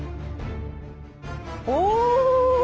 お！